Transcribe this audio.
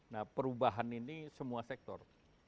nah perubahan ini semua sektor